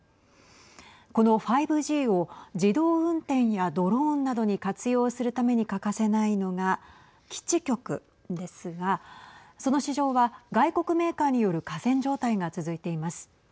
この５Ｇを自動運転やドローンなどに活用するために欠かせないのが基地局ですがその市場は外国メーカーによる寡占状態が続いています。